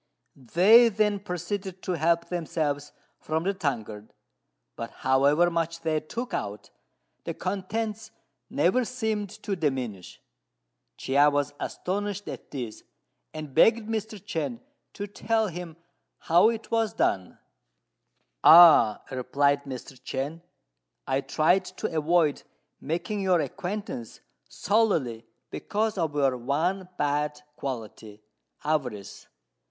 They then proceeded to help themselves from the tankard; but however much they took out, the contents never seemed to diminish. Chia was astonished at this, and begged Mr. Chên to tell him how it was done. "Ah," replied Mr. Chên, "I tried to avoid making your acquaintance solely because of your one bad quality avarice.